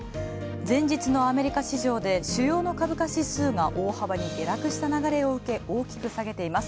前日のアメリカ市場で主要の株価指数が大幅に下落した流れを受け大きく下げています。